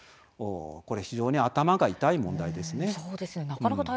非常に頭が痛い問題です。